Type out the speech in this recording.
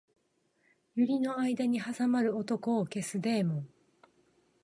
百合の間に挟まる男を消すデーモン